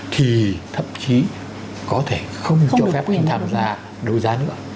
thì thậm chí có thể không cho phép anh tham gia đấu giá nữa